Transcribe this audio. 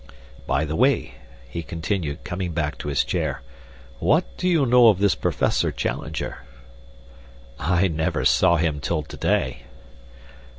"By the way," he continued, coming back to his chair, "what do you know of this Professor Challenger?" "I never saw him till to day."